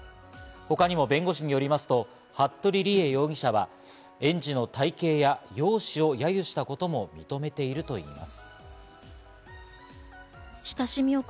他にも弁護士によりますと、服部理江容疑者は園児の体形や容姿を揶揄したことも認めているといいます。